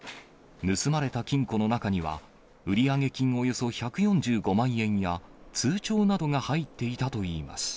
盗まれた金庫の中には、売上金およそ１４５万円や通帳などが入っていたといいます。